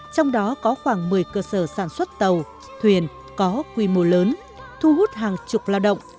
trong đó có khoảng một mươi cơ sở sản xuất tàu thuyền có quy mô lớn thu hút hàng chục lao động